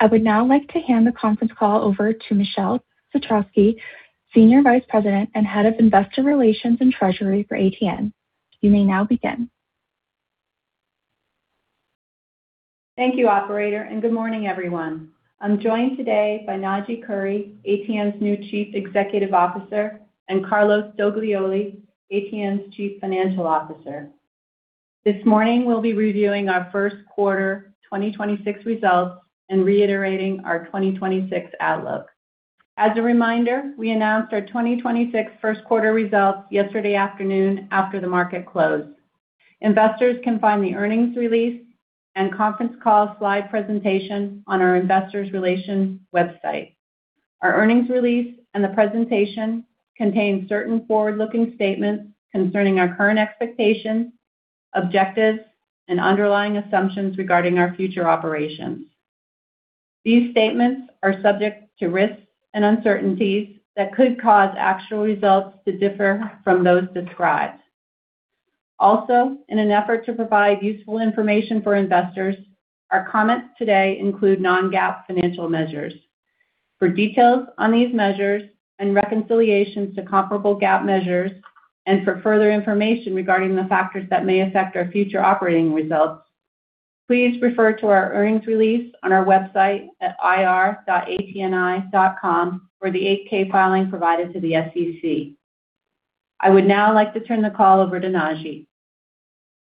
Thank you, operator, and good morning, everyone. I'm joined today by Naji Khoury, ATN's new Chief Executive Officer, and Carlos Doglioli, ATN's Chief Financial Officer. This morning, we'll be reviewing our first quarter 2026 results and reiterating our 2026 outlook. As a reminder, we announced our 2026 first quarter results yesterday afternoon after the market closed. Investors can find the earnings release and conference call slide presentation on our investors relations website. Our earnings release and the presentation contain certain forward-looking statements concerning our current expectations, objectives, and underlying assumptions regarding our future operations. These statements are subject to risks and uncertainties that could cause actual results to differ from those described. Also, in an effort to provide useful information for investors, our comments today include non-GAAP financial measures. For details on these measures and reconciliations to comparable GAAP measures, and for further information regarding the factors that may affect our future operating results, please refer to our earnings release on our website at ir.atni.com or the 8-K filing provided to the SEC. I would now like to turn the call over to Naji Khoury.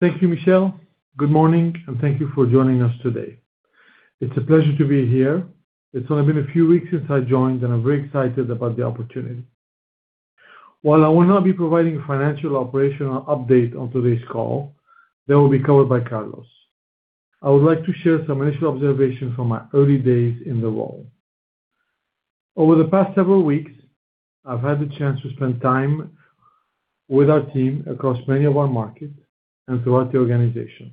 Thank you, Michele. Good morning, and thank you for joining us today. It's a pleasure to be here. It's only been a few weeks since I joined, and I'm very excited about the opportunity. While I will not be providing financial operational update on today's call, that will be covered by Carlos. I would like to share some initial observation from my early days in the role. Over the past several weeks, I've had the chance to spend time with our team across many of our markets and throughout the organization.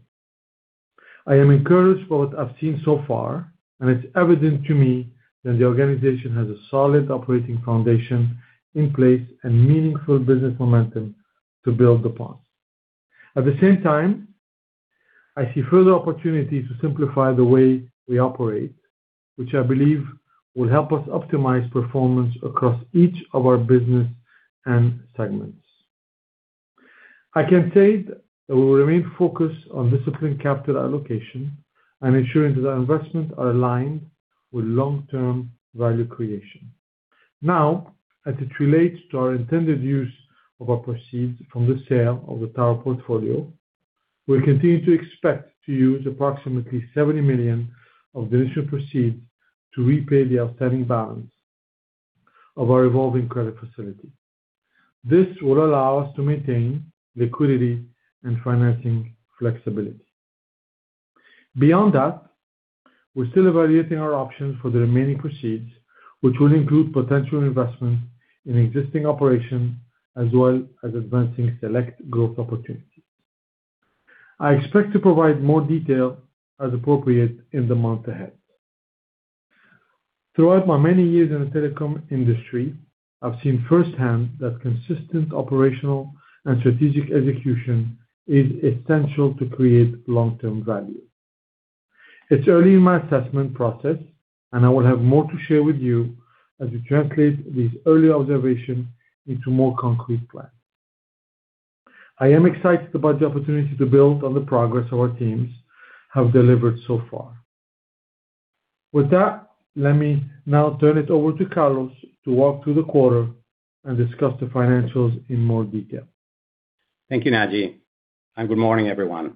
I am encouraged by what I've seen so far, and it's evident to me that the organization has a solid operating foundation in place and meaningful business momentum to build upon. At the same time, I see further opportunities to simplify the way we operate, which I believe will help us optimize performance across each of our business and segments. I can say that we will remain focused on disciplined capital allocation and ensuring that our investments are aligned with long-term value creation. As it relates to our intended use of our proceeds from the sale of the power portfolio, we continue to expect to use approximately $70 million of the initial proceeds to repay the outstanding balance of our revolving credit facility. This will allow us to maintain liquidity and financing flexibility. Beyond that, we're still evaluating our options for the remaining proceeds, which will include potential investments in existing operations as well as advancing select growth opportunities. I expect to provide more detail as appropriate in the month ahead. Throughout my many years in the telecom industry, I've seen firsthand that consistent operational and strategic execution is essential to create long-term value. It's early in my assessment process, and I will have more to share with you as we translate these early observations into more concrete plans. I am excited about the opportunity to build on the progress our teams have delivered so far. With that, let me now turn it over to Carlos to walk through the quarter and discuss the financials in more detail. Thank you, Naji, and good morning, everyone.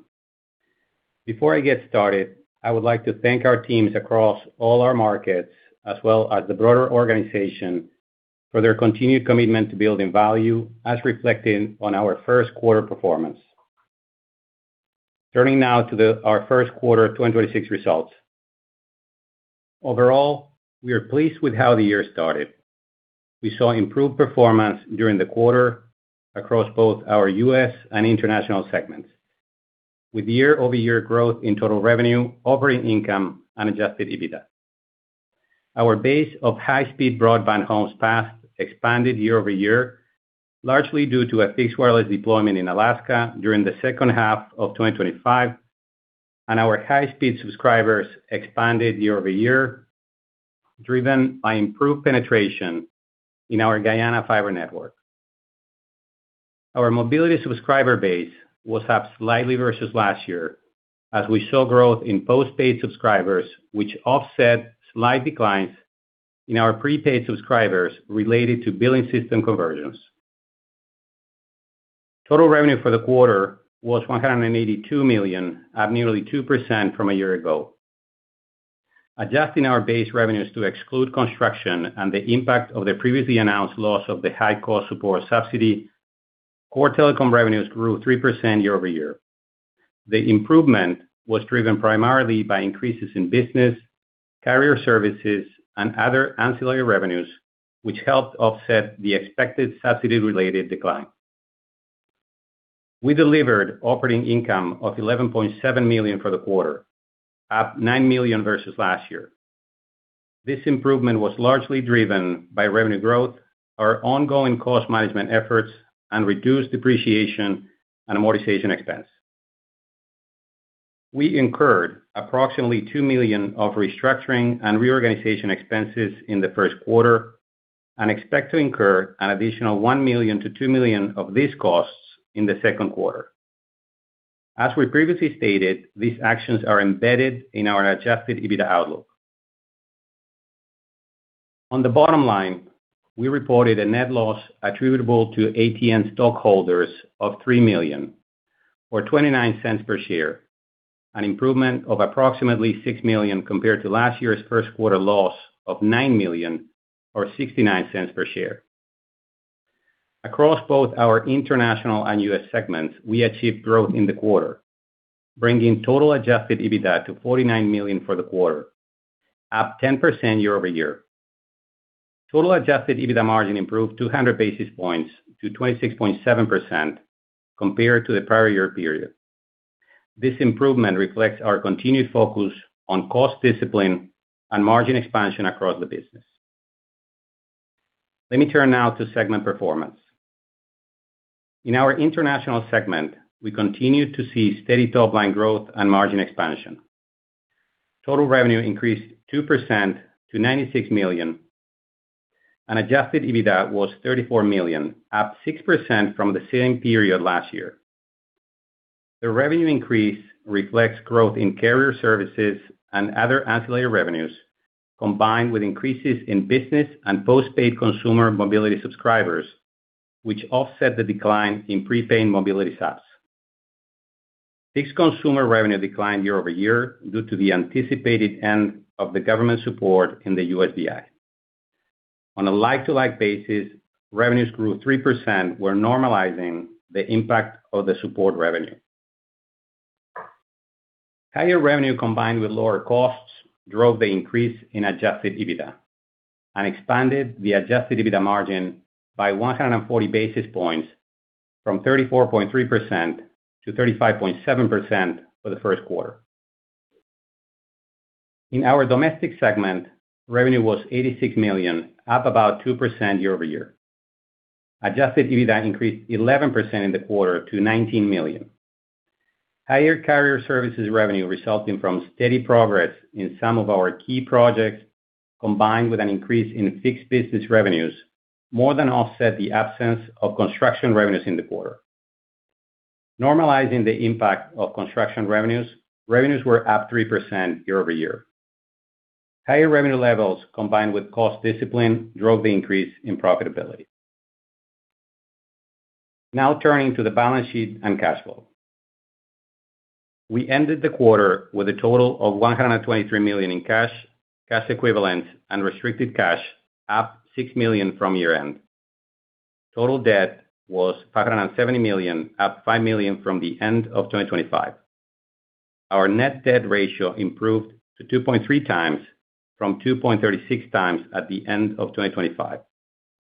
Before I get started, I would like to thank our teams across all our markets as well as the broader organization for their continued commitment to building value as reflected on our first quarter performance. Turning now to our first quarter 226 results. Overall, we are pleased with how the year started. We saw improved performance during the quarter across both our U.S. and international segments, with year-over-year growth in total revenue, operating income, and Adjusted EBITDA. Our base of high-speed broadband homes passed expanded year over year, largely due to a fixed wireless deployment in Alaska during the second half of 2025, and our high-speed subscribers expanded year over year, driven by improved penetration in our Guyana fiber network. Our mobility subscriber base was up slightly versus last year as we saw growth in post-paid subscribers, which offset slight declines in our prepaid subscribers related to billing system conversions. Total revenue for the quarter was $182 million at nearly 2% from a year ago. Adjusting our base revenues to exclude construction and the impact of the previously announced loss of the high-cost support subsidy, core telecom revenues grew 3% year-over-year. The improvement was driven primarily by increases in business, carrier services, and other ancillary revenues, which helped offset the expected subsidy-related decline. We delivered operating income of $11.7 million for the quarter, up $9 million versus last year. This improvement was largely driven by revenue growth, our ongoing cost management efforts, and reduced depreciation and amortization expense. We incurred approximately $2 million of restructuring and reorganization expenses in the first quarter and expect to incur an additional $1 million-$2 million of these costs in the second quarter. As we previously stated, these actions are embedded in our Adjusted EBITDA outlook. On the bottom line, we reported a net loss attributable to ATN stockholders of $3 million or $0.29 per share, an improvement of approximately $6 million compared to last year's first quarter loss of $9 million or $0.69 per share. Across both our international and U.S. segments, we achieved growth in the quarter, bringing total Adjusted EBITDA to $49 million for the quarter, up 10% year-over-year. Total Adjusted EBITDA margin improved 200 basis points to 26.7% compared to the prior year period. This improvement reflects our continued focus on cost discipline and margin expansion across the business. Let me turn now to segment performance. In our international segment, we continued to see steady top-line growth and margin expansion. Total revenue increased 2% to $96 million, and Adjusted EBITDA was $34 million, up 6% from the same period last year. The revenue increase reflects growth in carrier services and other ancillary revenues, combined with increases in business and postpaid consumer mobility subscribers, which offset the decline in prepaid mobility subs. Fixed consumer revenue declined year-over-year due to the anticipated end of the government support in the USVI. On a like-to-like basis, revenues grew 3%, we're normalizing the impact of the support revenue. Higher revenue combined with lower costs drove the increase in Adjusted EBITDA and expanded the Adjusted EBITDA margin by 140 basis points from 34.3% to 35.7% for the first quarter. In our domestic segment, revenue was $86 million, up about 2% year-over-year. Adjusted EBITDA increased 11% in the quarter to $19 million. Higher carrier services revenue resulting from steady progress in some of our key projects, combined with an increase in fixed business revenues more than offset the absence of construction revenues in the quarter. Normalizing the impact of construction revenues were up 3% year-over-year. Higher revenue levels, combined with cost discipline, drove the increase in profitability. Now turning to the balance sheet and cash flow. We ended the quarter with a total of $123 million in cash equivalents, and restricted cash, up $6 million from year-end. Total debt was $570 million, up $5 million from the end of 2025. Our net debt ratio improved to 2.3 times from 2.36 times at the end of 2025,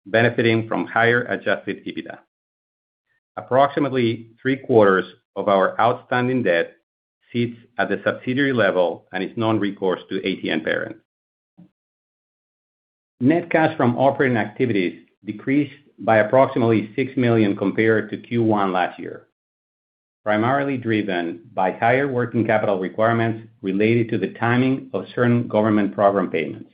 benefiting from higher Adjusted EBITDA. Approximately three-quarters of our outstanding debt sits at the subsidiary level and is non-recourse to ATN parent. Net cash from operating activities decreased by approximately $6 million compared to Q1 last year, primarily driven by higher working capital requirements related to the timing of certain government program payments.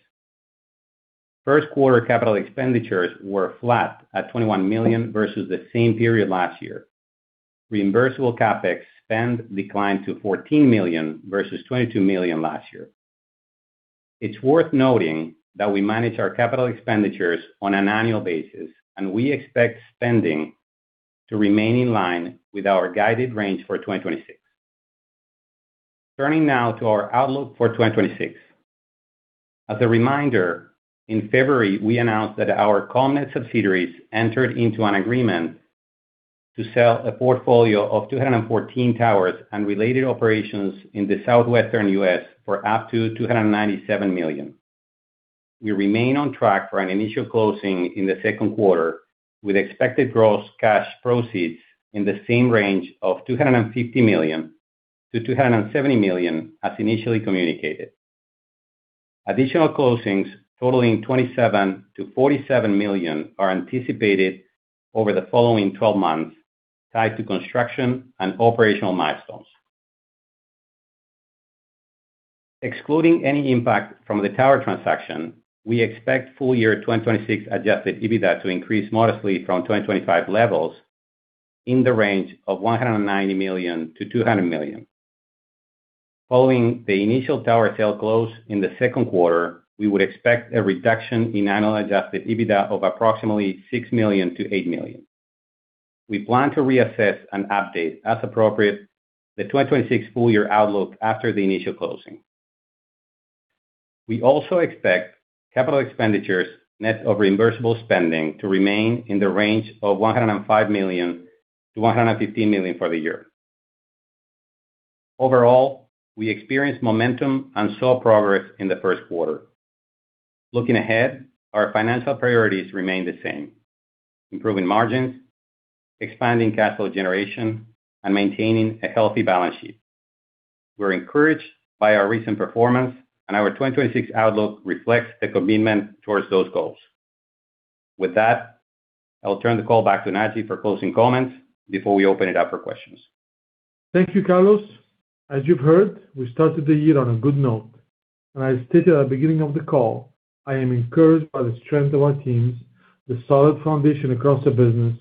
First quarter capital expenditures were flat at $21 million versus the same period last year. Reimbursable CapEx spend declined to $14 million versus $22 million last year. It's worth noting that we manage our capital expenditures on an annual basis, and we expect spending to remain in line with our guided range for 2026. Turning now to our outlook for 2026. As a reminder, in February, we announced that our Commnet subsidiaries entered into an agreement to sell a portfolio of 214 towers and related operations in the southwestern U.S. for up to $297 million. We remain on track for an initial closing in the second quarter with expected gross cash proceeds in the same range of $250 million-$270 million as initially communicated. Additional closings totaling $27 million-$47 million are anticipated over the following 12 months tied to construction and operational milestones. Excluding any impact from the tower transaction, we expect full year 2026 Adjusted EBITDA to increase modestly from 2025 levels in the range of $190 million-$200 million. Following the initial tower sale close in the second quarter, we would expect a reduction in annual Adjusted EBITDA of approximately $6 million-$8 million. We plan to reassess and update, as appropriate, the 2026 full year outlook after the initial closing. We also expect capital expenditures net of reimbursable spending to remain in the range of $105 million-$150 million for the year. Overall, we experienced momentum and saw progress in the first quarter. Looking ahead, our financial priorities remain the same: improving margins, expanding cash flow generation, and maintaining a healthy balance sheet. We're encouraged by our recent performance, and our 2026 outlook reflects the commitment towards those goals. With that, I will turn the call back to Naji for closing comments before we open it up for questions. Thank you, Carlos. As you've heard, we started the year on a good note. I stated at the beginning of the call, I am encouraged by the strength of our teams, the solid foundation across the business,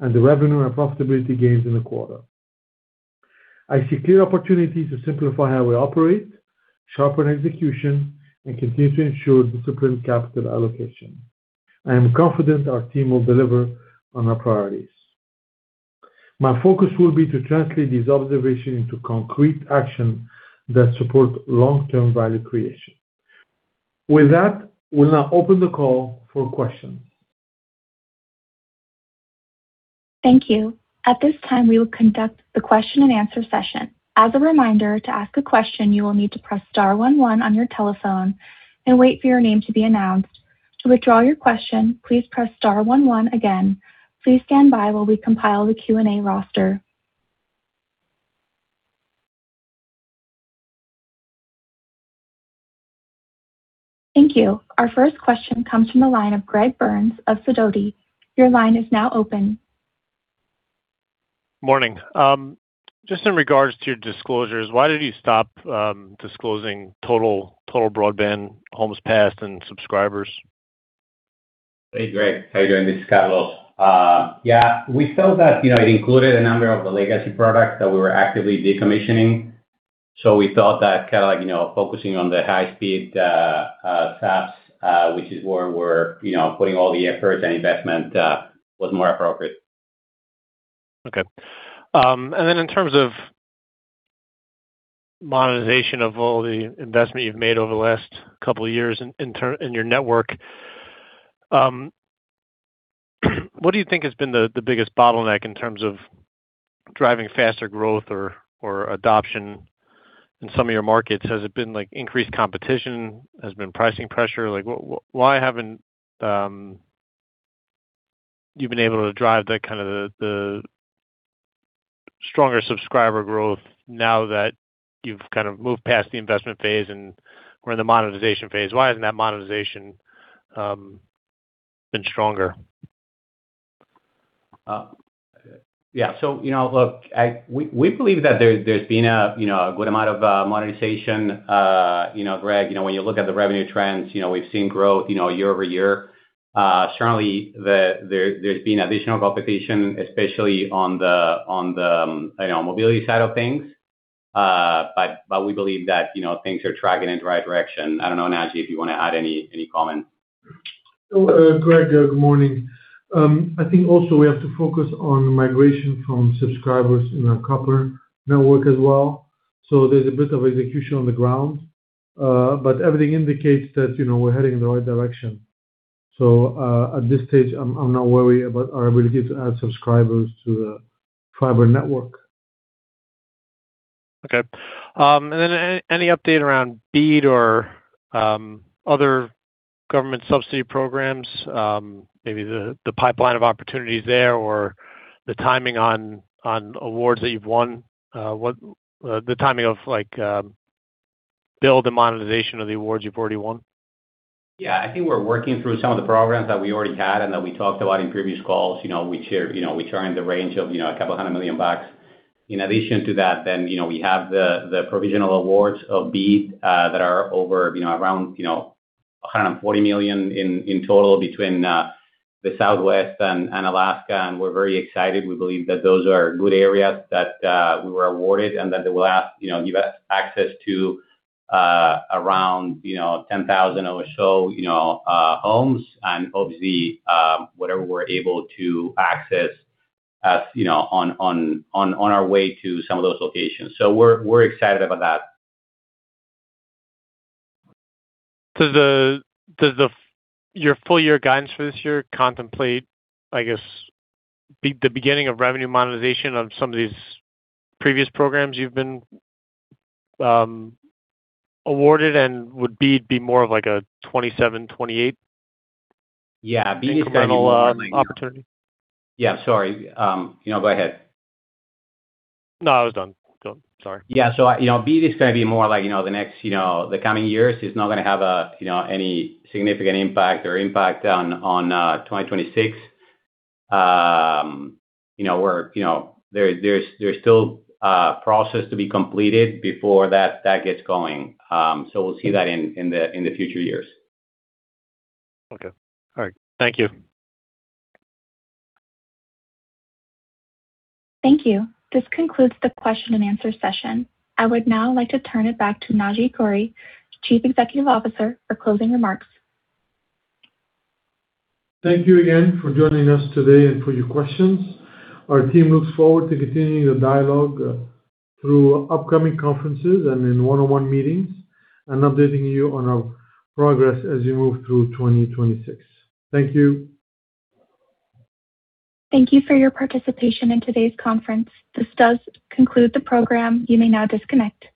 and the revenue and profitability gains in the quarter. I see clear opportunities to simplify how we operate, sharpen execution, and continue to ensure disciplined capital allocation. I am confident our team will deliver on our priorities. My focus will be to translate this observation into concrete action that support long-term value creation. With that, we'll now open the call for questions. Thank you. At this time, we will conduct the question-and-answer session. As a reminder, to ask a question, you will need to press star one one on your telephone and wait for your name to be announced. To withdraw your question, please press star one one again. Please stand by while we compile the Q&A roster. Thank you. Our first question comes from the line of Greg Burns of Sidoti. Your line is now open. Morning. Just in regards to disclosures, why did you stop disclosing total broadband homes passed and subscribers? Hey, Greg. How are you doing? This is Carlos. Yeah, we felt that, you know, it included a number of the legacy products that we were actively decommissioning. We thought that kinda, like, you know, focusing on the high speed paths, which is where we're, you know, putting all the efforts and investment, was more appropriate. Okay. In terms of monetization of all the investment you've made over the last couple of years in your network, what do you think has been the biggest bottleneck in terms of driving faster growth or adoption in some of your markets? Has it been, like, increased competition? Has it been pricing pressure? Like, why haven't you been able to drive that kind of the stronger subscriber growth now that you've kind of moved past the investment phase and we're in the monetization phase? Why hasn't that monetization been stronger? Yeah. You know, look, we believe that there's been a, you know, a good amount of monetization. You know, Greg, you know, when you look at the revenue trends, you know, we've seen growth, you know, year over year. Certainly there's been additional competition, especially on the, you know, mobility side of things. But we believe that, you know, things are tracking in the right direction. I don't know, Naji, if you wanna add any comment. Greg, good morning. I think also we have to focus on migration from subscribers in our copper network as well. There's a bit of execution on the ground. Everything indicates that, you know, we're heading in the right direction. At this stage, I'm not worried about our ability to add subscribers to the fiber network. Okay. Any update around BEAD or other government subsidy programs? Maybe the pipeline of opportunities there or the timing on awards that you've won? What the timing of like build and monetization of the awards you've already won? Yeah. I think we're working through some of the programs that we already had and that we talked about in previous calls. You know, we share, you know, we turn the range of, you know, a couple hundred million bucks. In addition to that then, you know, we have the provisional awards of BEAD that are over, you know, around $140 million in total between the Southwest and Alaska, and we're very excited. We believe that those are good areas that we were awarded and that they will have, you know, give us access to around 10,000 or so, you know, homes and obviously, whatever we're able to access as, you know, on our way to some of those locations. We're excited about that. Does the Your full year guidance for this year contemplate, I guess, the beginning of revenue monetization on some of these previous programs you've been awarded, and would BEAD be more of like a 2027-2028? Yeah. BEAD is gonna be more. incidental opportunity? Yeah, sorry. you know, go ahead. No, I was done. Go on. Sorry. Yeah. You know, BEAD is gonna be more like, you know, the next, you know, the coming years. It's not gonna have a, you know, any significant impact or impact on 2026. You know, we're, you know, there's still process to be completed before that gets going. We'll see that in the future years. Okay. All right. Thank you. Thank you. This concludes the question and answer session. I would now like to turn it back to Naji Khoury, Chief Executive Officer, for closing remarks. Thank you again for joining us today and for your questions. Our team looks forward to continuing the dialogue through upcoming conferences and in one-on-one meetings and updating you on our progress as we move through 2026. Thank you. Thank you for your participation in today's conference. This does conclude the program. You may now disconnect.